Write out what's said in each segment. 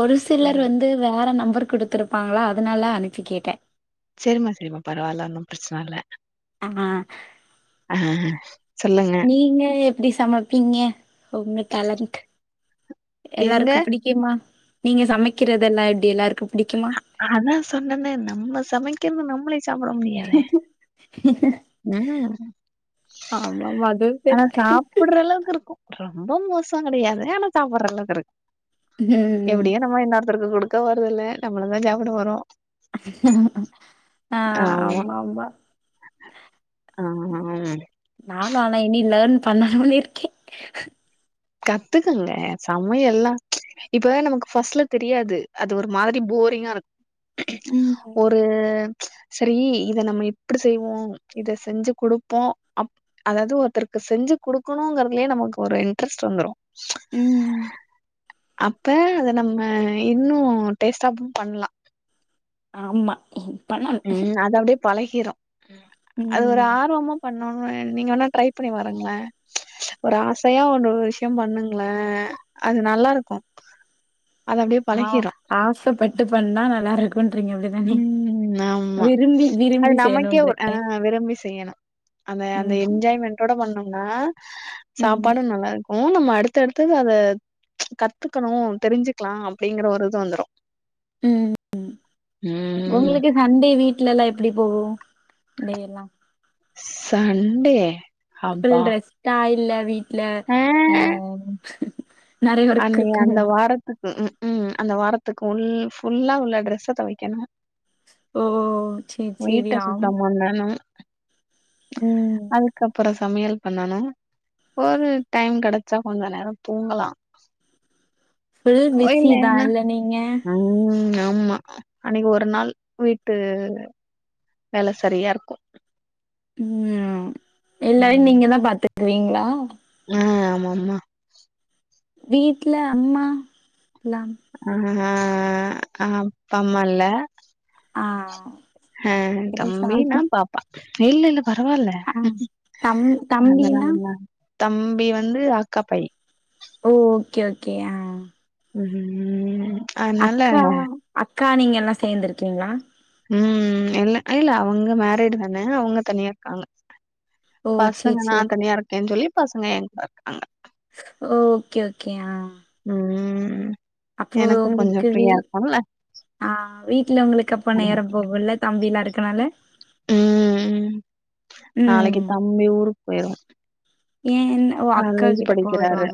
ஒரு சிலர் வந்து வேற நம்பர் குடுத்துருப்பாங்களா அதனால அனுப்பி கேட்டே செரிமா செரிமா பரவால்ல ஒன்னும் பிரச்சன இல்ல ஹா சொல்லுங்க நீங்க எப்டி சமப்பீங்க உங்க டேலண்ட் எங்க எல்லாருக்கு புடி குமா நீங்க சமைக்கிறதெல்லா எப்டி எல்லாருக்கு புடிக்குமா ஆதா சொன்னனே நம்ம சமைக்கிறது நம்ளே ம் ஆமாமா அதுவு சரி ஆனா சாப்புட்ற அளவுக்கு இருக்கு ரொம்ப மோசோ கெடையாது ஆன சாப்புட்ற அளவுகு இருக்கு ம் எப்டியோ நம்ம இன்னொருத்தக்கு குடுக் கபோரதில்ல நம்ளதா சாப்பிட போறோ ஆ ஆமா ஆமா ஆ ம் நானு ஆனா இனி லேர்ன் பண்ணுன்னு இருக்கே கத்துக்குங்க சமையல்லா இப்ப நமக்கு ஃபர்ஸ்ட்ல தெரியாது அது ஒரு மாதிரி போரிங்காருக் ம் ஒரு சரி இத நம்ம எப்டி செய்வோ இத செஞ்சு கொடுப்போ அப் அதாவது ஒருத்தருக்கு செஞ்சு கொடுக்கணுங்கறதுலயே நமக்கு ஒரு இன்ட்ரெஸ்ட் வந்துரு ம் ம் அப்ப அத நம்ம இன்னு டேஸ்டாவும் பண்லா ஆமா பண்ணணு உம் அது அப்டியே பழகிறோ அது ஒரு ம் ஆர்வமா பண் நீங்க வேனா ட்ரை பண்ணி பாருங்களே ஒரு ஆசையா ஒண்ணு விஷயம் பண்ணுங்களே அது நல்லா இருக்கு அது அப்டியே ஆஹ் பழகிரு ஆசைப்பட்டு பண்ணா நல்லா இருக்குன்றீங்க அப்டி தானே ஆம்மா அது நமக்கே ஒரு ஆஹ் விரும்பி செய்யணு அந்த அந்த ம் என்ஜாய்மெண்ட் டோட பண்ணோம்னா ம் சாப்பாடும் நல்லா இருக் கு நம்ம அடுத்தடுத்தது அத கத்துக்கணு தெரிஞ்சுக்கலா அப்பிடிங்கற ஒரு இது வந்துரு ம் ம் ம் உங்களுக்கு சண்டே வீட்டுல எல்லா எப்டி போகு சண்டே எல்லா சண்டே ஃபுல் அப்பா ரெஸ்டா இல்ல வீட்ல ஆ நெறைய ஒர்க் அன்னை இருக்குமோ அந்த வாரத்துக்கு உக்கும் அந்த வாரத்துக்கு ஃபுல்லா உள்ள ட்ரெஸ்ஸ தொவைக்கணு ஓ சேரி சேரி வீட்ட ஆம் சுத்தம் பண்ணணும் ம் அதுக்கப்பறோ சமையல் பண்ணணு ஒரு டைம் கெடைச்சா கொஞ்ச நேரம் தூங்கலா ஆ ஃபுல் பிஸி தா இல்ல நீங்க உம் ஆமா அன்னைக்கு ஒரு நாள் வீட்டு வேல சரியா இருக்கு உம் எல்லாரையு ம் நீங்க தா பாத்துக்குவீங்களா ஆ ஆமாம்மா வீட்ல அம்மா லாம் ஆஹஹ் ஆஹ் அஹப் பம்மால ஆ ஹ இது தம்பி சாரி நா பாப்பா இல்லல்லப் பரவால்ல ஆ தம் தம்பினா தம்பி வந்து அக்கா பை ஓ ஓகே ஓகே ஆ ம் அதனால அக்கா அக்கா நீங்க எல்லா சேந்துருக்கீங்ளா ம் இல்ல இல்ல அவுங்க மேரிடு தான அவுங்க தனியாருக்காங்க ஓ சேரி பசங்க நா சேரி தனியா இருக்கேன் சொல்லி பசங்க ஏங்கூடருக்காங்க ஓகே ஓகே ஆ ம் அப்போ எனக்கு கொஞ்சோ உங்களுக்கு வீ ஃப்ரியாருக்குல ஆ வீட்ல உங்களுக்கு அப்ப நேரோ போகுல தம்பில்லா இருக்கனால ம் ம் நாளைக்கு தம்பி ஊருக் போயிருவா ஏ என்ன காலேஜ் படிக்கிறாரு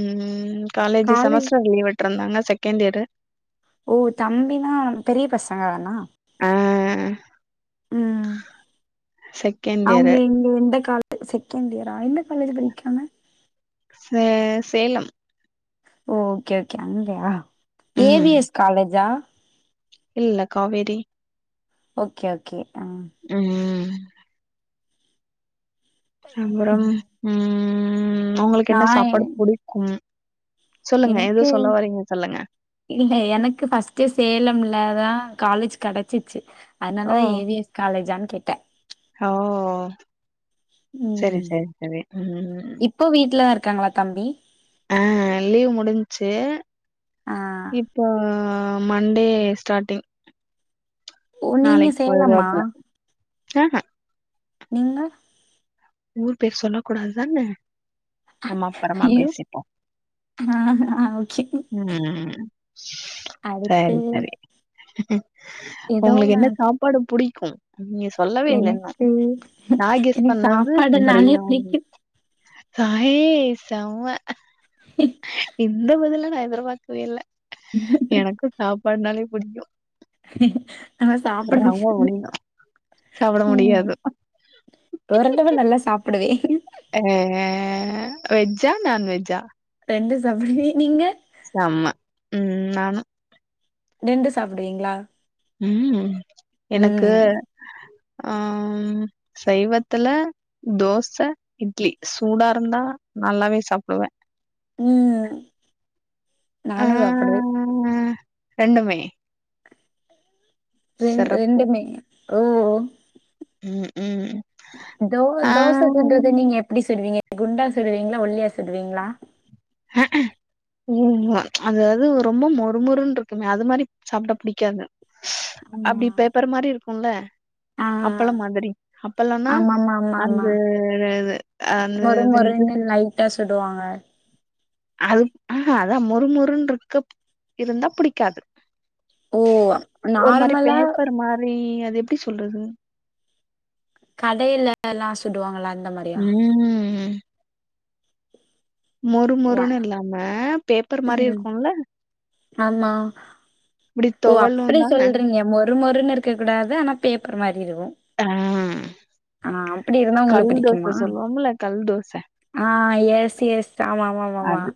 ம் காலேஜு காலேஜ் செமஸ்டர் லீவுட் ட்றுந்தாங்க செகண்ட் இயரு ஓ தம்பினா பெரிய பசங்க தானா ஆ ம் செகண்ட் இயர் அவுங்க இங்கு வெண்ட கால் அ செகண்ட் இயரா எந்த காலேஜ் படிக்காம சே சேலம் ஓ ஓகே ஓகே அங்கயா ஏ ம் வி எஸ் காலேஜா இல்ல காவேரி ஓகே ஓகே ஆ உம் ம் உங்களுக்கு நா என்ன சாப்பாடு புடிக்கும் சொல்லுங்க எதோ எனக்கு சொல்ல வரீங்க சொல்லுங்க இல்ல எனக்கு ஃபஸ்ட்டு சேலம்ல தா காலேஜ் கெடச்சிச்சு அதனாலதா ஏ வி எஸ் காலேஜான் கேட்டே ஹௌஓ செரி ம் செரி செரி ம் இப்போ வீட்ல தா இருக்காங்களா தம்பி ஆஹ் லீவ் முடிஞ்ச்சு ஆ இப்போ மண்டே ஸ்டார்ட்டிங் ஓ நீங்க நாளைக்கு சேலமா போய்ருவாப்ல அ ஹ நீங்க ஊர் பேர் சொல்ல கூடாதுதான ஆஹ்ஹ ஓகே ம் அடுத்து சேரி செரி ஏதோ உங்களுக்கு நா என்ன சாப்பாடு புடிக்கும் நீங்க சொல்லவே இல்ல இன்னு எனக்கு நா கெஸ் எனக்கு பண்ணது சாப்பாடுனாலே பிரியாணி பிடிக்கும் ஹாயே செம்ம இந்த பதில நா எதிர்பாக்கவே இல்ல எனக்கு சாப்பாட்னாலே புடிக்கு நம்ம சாப்ர [inaudible] ரொம்ப புடிக்கு சாப்ட ம் முடியாது தொரந்தது நல்லா சாப்புடுவே ஆ ஆ ஆ வெஜ்ஜா நான்வெஜ்ஜா ரெண்டு சாப்டுவே நீங்க செம்ம ம் நானு நெண்டு சாப்புடுவீங்ளா ம் எனக்கு அ ம் சைவத்துல தோச இட்லி சூடாருந்தா நல்லாவே சாப்புடுவே ம் நானு சாப்புடுவே ஆ ரெண்டுமே ரெண் சிறப்பு ரெண்டுமே ஒ ஓ ம் ம் ம் தோ தோச சுட்றது ஆ நீங்க எப்டி சுடுவிங்க குண்டா சுடுவிங்களா ஒல்லியா சுடுவிங்களா ம் ம் அதாது ரொம்ப மொறுமொறுன்று இருக்குமே அது மாரி சாப்ட புடிக்காது ஆ அப்டி பேப்பர் மாரி இருக்குல்ல ஆ அப்பளம் மாதிரி அப்பளம்னா ஆமாமா அந்த ஆமாமா இது அந்த இது என்னது ட்ட சுடு வாங்க அது ஆஹா அதா மொறுமொறுன் இருக்க இருந்தா புடிக்காது ஓ ஒரு மாரி நார்மலா பேப்பர் மாரி அது எப்டி சொல்றது கடையிலல்லா சுடுவாங்கள்ள அந்த மாரி ம் மொறு வ மொறுன்னு இல்லாம பேப்பர் மாரி ம் இருக்குல்ல ஆமா இப்டி ஓ தொவழும் அப்டி தான சொல்றீங்க மொறு மொறுமொறுன்னு இருக்க கூடாது ஆனா பேப்பர் மாரி இருக்கு ஆ ஆ அப்டி இருந்தா உங்களுக்கு கல் பிடிக்குமா தோச சொல்லுவோம்ல கல் தோச ஆ எஸ் எஸ் ஆமாமாமாம அது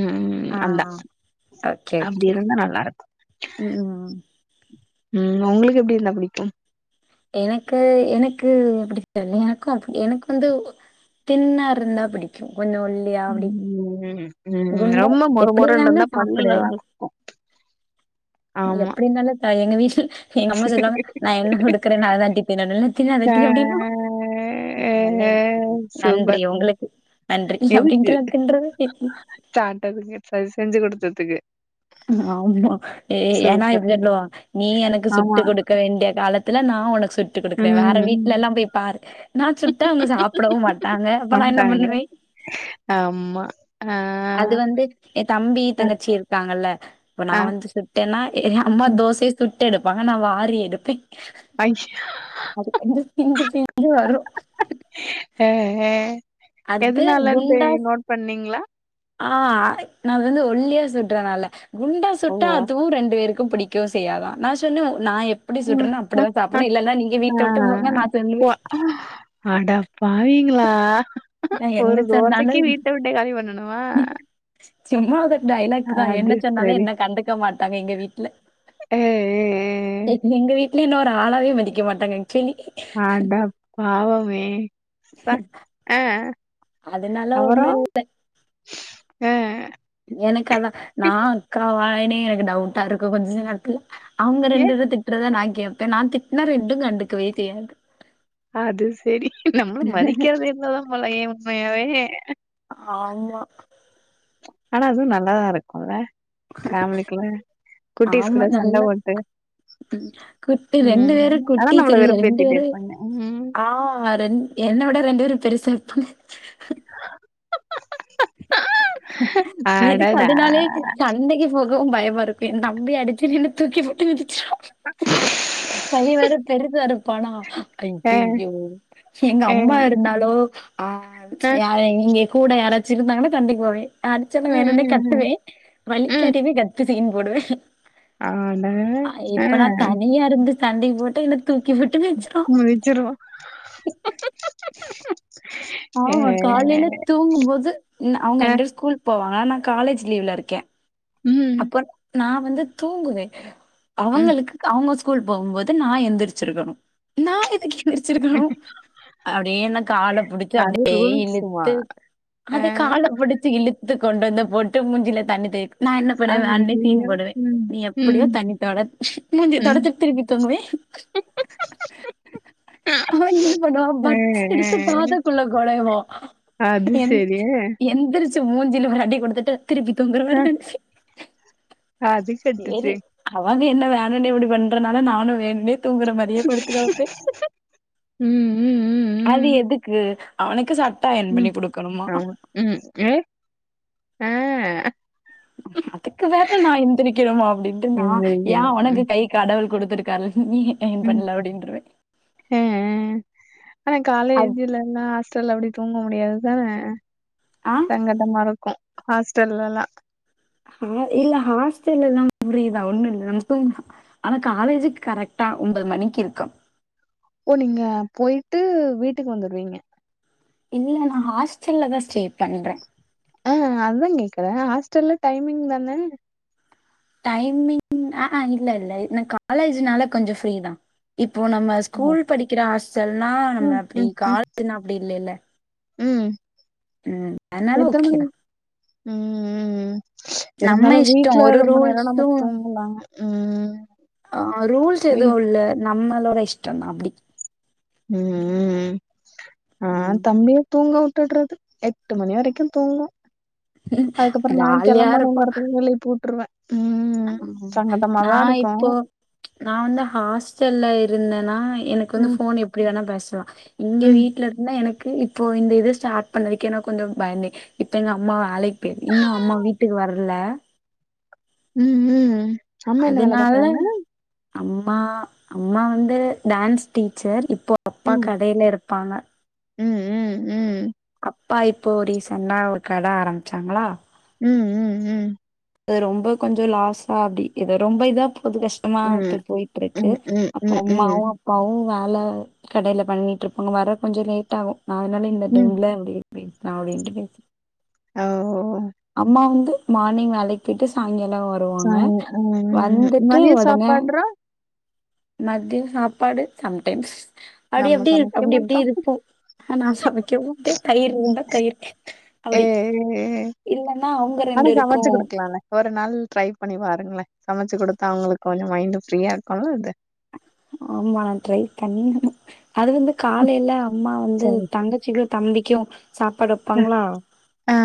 ம் ஆ அந்த அப்டி இருந்தா நல்லாருக்கு ம் ம் ம் உங்களுக்கு எப்டி இருந்தா புடிக்கு எனக்கு எனக்கு எப்டி தெர்ல எனக்கு அப்டி எனக்கு வந்து தின்னா இருந்தா பிடிக்கு கொஞ்சோ ஒல்லிய அப்டி ம் ம் ம் குண்டா ரொம்ப மொறு எப்டி மொறுன்னு இருந்தாலு இருந்தா பல்லுல சாப்புடுவே நக்கும் ஆமா எப்டி இருந்தாலு நா எங்க வீட்டில் எங்க அம்மா சொல்லுவாங்க நா என்ன குடுக்குறேனோ அத தான்டி தின்னனு அத ச தின்னாட்டி அப்டிங்கோ நன்றி சூப்பர் உங்களுக்கு நன்றி அப்டின்ற தின்றது [unintelligible] அது செஞ்சு குடுத்ததுக்கு ஆமா ஏன்னா சூப்பர் இப்டி சொல்வாங் நீ எனக்கு ஆமா சுட்டு குடுக்க வேண்டிய காலத் துல நா உனக்கு சுட்டு சுட்டு குடுக்குறே வேற ம் வீட்டுலல்லா போய் பாரு நா சுட்டா அவுங்க சாப்புடவு மாட்டாங்க அப்ப நா என்ன பண்ட்டாங்க பண்ணுவே ஆமா ஆ அது வந்து எயே தம்பி அ, தங்கச்சி இருக்காங்கல்ல இப்ப நா ஆ வந்து சுட் என்னா ஏயே அம்மா ம் தோசைய சுட்டு எடுப்பாங்க நா வாரி எடுப்பே ஐயோ அதுக்கு வந்து பிந்து பிந்து வரோ அ அ அடுத்து எதுனாலன் குண்டா போய் நோட் பண்ணீங்ளா ஆ நா அத வந்து ஒல்லியா சுட்றனால குண்டா ஓ சுட்டா அதுவு ரெண்டு பேருக்கு புடிக் கேவு செய்யாதா நா சொன்ன நா எப் எப்டி சுட்டுறன்னோ அ அ அப்டிதா சாப்பட்னு இல்லன்னா நீங்க அ வீட்ட உட்டு போங்க நா சொல்லுவே அட பாவீங்களா நா ஒரு என்ன சொன்னாலு தோசைக்கு வீட்ட விட்டே காலி பண்ணனுமா சும்மா உதர் டைலாக்கு தா என்ன சொன்னாலு சரி என்ன கண்டுக்க மாட்டாங்க எங்க வீட்ல எ எ எ‌ எ எங் எங்க வீட்ல என்ன ஒரு ஆளாவே மதிக்க மாட்டாங்க அக்சுல்லி அடப்பாவமே ச ஆ அதனால ஒண்ணு அப்பறோ இல்ல. ஆ எனக்கு அதா நா அக்காவானே எனக்கு டவுட்டா இருக்கு கொஞ்ச நேரத்துல அவுங்க ஏ ரெண்டுபே திட்றதா நா கேப்பே நா திட்னா ரெண்டு கண்டுக்கவே தே [unintelligible] அது சேரி நம்மள மதிக்காதுங்க என்னதா போலயே உண்மையாவே ஆமா ஆனா அதுவு நல்லாதா இருக்குல்ல ஃபேமிலிக்குள்ள குட்டீஸ் ஆமா கூட சண்ட நல்ல போட்டு க் ம் குட்டி ம் ரெண்டு பேரு ஆனா குட்டி நம்மள சில்லுங்க ரெண்டு வெறுப்பேத்திட்டே பேரு இருப்பாங்க ம் ஆ ரெண் என்னோட ரெண்டு பேரு பெருசா இருப்பாங்க எனக்கு அடடா அதனாலே சண்டைக்கு போகவும் பயமா இருக்கு என் தம்பி அடிச்சி என்ன தூக்கி போட்டு மிதிச்சான் பைய வேற பெரிதா இருப்பானா ஆ ஐய்யயோ எங்க ஆ அம்மா இருந்தாலோ அ ஆ யாரே இங்கே கூட யாராச்சு இருந்தாங்கன்னா சண்டைக்கு போவே‌ அடிச்சால்லு ம் வேணுனே ம் ம் கத்துவே ம் வலிக்காட்டிமே க தி சீன் போடுவே அட அ ஆ இப்ப நா தனியா இருந்து சண்டைக்கு போட்டு என்ன தூக்கிப்போட்டு வி முடிச்சுருவா ஆமா காலைல தூங்கும்போது ந அவுங்க ரெண்டுபேரு ஸ்கூல் போவாங்க நா காலேஜ் லீவ்ல இருக்கே ம் [unintelligible] நா வந்து தூங்குவே அவங்களுக்கு அவுங்க ஸ்கூல் போகும்போது நா எந்திரிச்சிருக்கணு நா எதுக்கு எந்திரிச்சிருக்கணு அப்டே என்ன கால புடிச்ச அப் டே இழுத்து அதே கால புடிச் சு இழுத்து கொண்டு வந்து போட்டு மூஞ்சில தண்ணி தே நா என் என்ன பன்னுவே வேன்னே சீன்போடுவே நீ எப்படியோ தண்ணி தொட மூஞ்சிய தொடச்சிட்டு திருப்பி தூங்குவே அவன் என்ன பண்ணுவா ஆ பட்ஸ்ஸ எடுத்து காதுக்குள்ள கொடைவா அது சரி. எந்த எந்திரிச்சு மூஞ்சில ஒரு அடி கொடுத்துட்டு திருப்பி தூங்கற ஆ மாரி நடிச்சி அது சேரி கட்டுச்சு. அவங்க என்ன வேணுனே இப்டி பண்றனால நானு வேணுனே தூங்குற மாரியே படுத்துக்கெடப்பே ம், ம், அது ம், ம், எதுக்கு அவுனுக்கு சட் ம் ஆமா ம் ஏ ஆ அதுக்கு வேற நா எந்திரிக்கனுமா அப்டின்ட்டு நா ஏ எந்திரிக்கல. உனக்கு ம். கை கடவுள் கொடுத்திருக்காருல நீ யே அய்ன் பண்ணுல அப்டின்றுவே அ அ ஆனா அது காலேஎஜ் இல்லனா ஹாஸ்டல் அப்டி தூங்க முடியாதுதான அ சங்கடமா இருக்கும் ஹாஸ்டல்ல எல்லா ஆஹ் இல்ல ஹாஸ்டல்ல எல்லா புரியிதா ஒண்ணு இல்ல நம் தூங் ஆனா காலேஜுக்கு கரெக்ட்டா ஒன்பது மணிக்கு இருக்கும் ஓ நீங்க போயிட்டு வீட்டுக்கு வந்துருவீங்க இல்ல நா ஹாஸ்டல்ல தா ஸ்டே பண்றே ஆஹ் அதுதா கேக்கறே ஹாஸ்டல்ல டைமிங் தானே டைமிங் ஆஹ்ஹ இல்ல இல்ல காலேஜ்னால கொஞ்சம் ஃப்ரீதா இப்போ நம்ம ம் ஸ்கூல் படிக்கிற ஹாஸ்டல்ன்னா நம்ம ம் அப்டி காலேஜ்ன்னா அப்டி இல்லைல்ல உம் ம் அதனால எத்த ஓகே தான் மணிக் உம் உம் உ நம்ம இருந்தாலு இஷ்டம் வீட்டுல ஒரு ரொம்ப நேரோ நம்ம ரூல்ஸும் தூங்கலா உம் ஆஹ் ரூல்ஸ் எதுவுல்ல நம்மளோட இஷ்டம்தா அப்டி உம் ம் ஆஹ் ம் தம்பிய தூங்கவுட் டுட்றது எட்டு மணி வரைக்கு தூங்கும் அதுக்கப்பறம் நா ஜாலியா கிளம்பனுங்கரதுக்கு எழுப்புட்டுருவே உம் ம்ம் ஆஹ நா இப்போ நா வந்து ஹாஸ்டல்ல இருந்தேனா எனக்கு வந்து ம் போன் எப்டி வேனா பேசலா இங்க ம் வீட்ல இருந்தா எனக்கு இப்போ இந்த இது ஸ்டார்ட் பண்ணதுக்கேனா கொஞ்சம் பயந்தே இப்ப எங்க அம்மா வேலைக்கு போயிருக் இன்னு அம்மா வீட்டுக்கு வர்ல உம் உம் அதனால அம்மா அம்மா வந்து டான்ஸ் டீச்சர் இப்போ அப்பா ம் கடைல இருப்பாங்க ம் ம் ம் அப்பா இப்போ ரீசென்ட்டா ஒரு கடை ஆரம்பிச்சாங்களா ம் ம் ம் அது ரொம்ப கொஞ்சம் லாஸா அப்டி இதை ரொம்ப இதா போது கஷ் டமா ம் போயிட்டு ம் இருக்கு ம் அப்ப ம் அம்மாவும் ம் அப்பாவும் வேலை கடைல பண்ணிட்டுருப்பாங்க வர கொஞ்சம் லேட் ஆகும் அதனால இந்த ம். டைம்ல அப்டியே அப்டின்ட்டு பேஸ் அவ்ஓஓ அம்மா வந்து மார்னிங் வேலைக்கு போயிட்டு சாயங்கால வ ச ருவாங்க அ வந்துட்டு மதிய உடனே சாப்பாடுறா மத்தியம் சாப்பாடு சம்டைம்ஸ் அடி நம்ம அப்டி சமைக்க அப்டி இப்டி மாட்டோ. இருக்கு ஆ நா சமைக்கவு மாட்டே தயிர் இருந்தா தயிர் அப்டி எ ஏ இல்லன்னா அவ்ங்க ரெண்டுபேருக்கு னால ஒரு நாள் ட்ரை பண்ணி பாருங்களே சமைச்சு குடுத்தா அவங்களுக்கு கொஞ்சம் மைண்ட் ஃப்ரீயா இருக்குல்ல அது ஆமா நா ட்ரை பண்ணியானு அது வந்து காலையில அம்மா வந்து சரி தங்கச்சிக்கு தம்பிக்கு சாப்பாடு வப்பாங்களா ஆ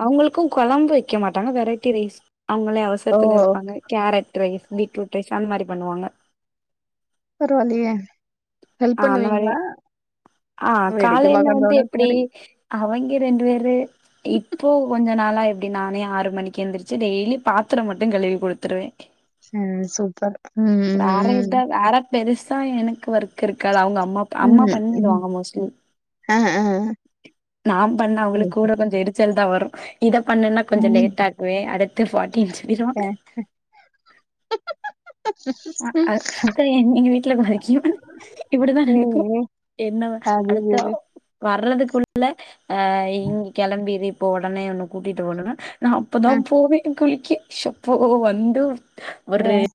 அவங்களுக்கு கொழம்பு வெக்க மாட்டாங்க வெரைட்டி ரைஸ் அவங்களே ஓ அவசரத்துல இருப்பாங்க கேரட் ரைஸ் பீட்ரூட் ரைஸ் அந்த மாரி பண்ணுவாங்க பரவாலியே ஆஹ் அந்த மாரியாஹ் ஆஹ் வேடிக்க காலையில வந்து பாக்கறதோட எப்டி சரி அவைய்ங்க ரெண்டு பேரு இப்போ கொஞ்ச நாளா எப்டி நானே ஆறு மணிக்கு எந்திரிச்சு டெய்லி பாத்திரம் மட்டு கழுவி குடுத்துருவே அஹ் சூப்பர் உம் வேற உம் எதா உ வேற பெருசா எனக்கு ஒர்க் இருக்காது அவுங்க அம்மா அம்மா ம் ம் ம் பண்ணிடுவாங்க மோஸ்ட்லி ஆ ஆ நாம் பண்ணா சரி அவுங்களுக் கூட சரி கொஞ்ச எடுத் ச்சல் தா வரு இத பண்ணுன கொஞ்ச ம் லேட் ஆக்குவே அடுத்து ஃபாட்டி சொல்லிருவாங்க ஹ அ அ அப்பற எங் எங்க வீட்ல [unintelligible] இப்படிதா ஏ, இருக்கு ஏ, என்னவ அது அடுத்த சரி வர்றதுக்குள்ள அ இங் கெளம்பிரு இப்போ ஒடனே உன்ன கூட்டிட்டு ஒடனு நா அப்பதா ஆ போவே குளிக்க சப்போ ஒ வந்து ஆ ஒரு